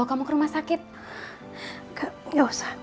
gak usah siti